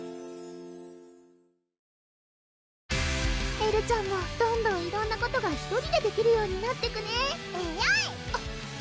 エルちゃんもどんどん色んなことが１人でできるようになってくねえるぅ！